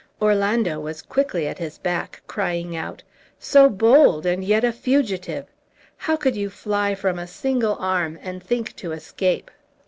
Orlando was quickly at his back, crying out, "So bold, and yet a fugitive! How could you fly from a single arm and think to escape?"